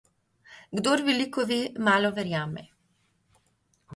Kdor veliko ve, malo verjame.